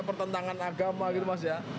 pertentangan agama gitu mas